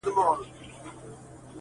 دوه قدمه فاصله ده ستا تر وصله-